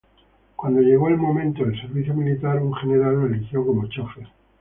Cuando llegó el momento del servicio militar, un general lo eligió como chofer.